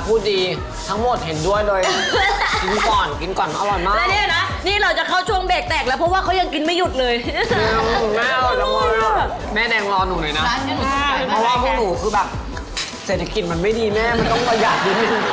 เพราะว่าพวกหนูคือแบบเสร็จแต่กินมันไม่ดีแม่มันต้องประหยัดดีนิดหนึ่ง